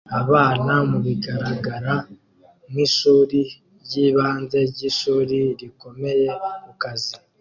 Abana mubigaragara nkishuri ryibanze ryishuri rikomeye kukazi